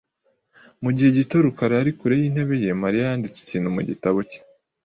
Mu gihe gito rukara yari kure yintebe ye, Mariya yanditse ikintu mu gitabo cye .